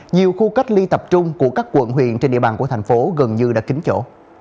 nhiều khu cách ly tập trung của các quận huyện trên địa bàn của thành phố gần như đã kính chỗ